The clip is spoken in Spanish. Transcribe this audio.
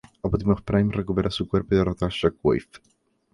Optimus Prime recuperó su cuerpo y derrotó a Shockwave.